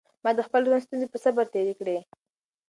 ما د خپل ژوند ستونزې په صبر تېرې کړې.